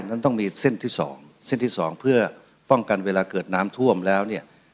นั้นต้องมีเส้นที่สองเส้นที่สองเพื่อป้องกันเวลาเกิดน้ำท่วมแล้วเนี่ย